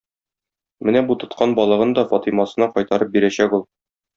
Менә бу тоткан балыгын да Фатыймасына кайтарып бирәчәк ул.